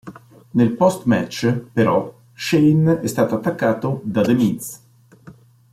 Nel post-match, però, Shane è stato attaccato da The Miz.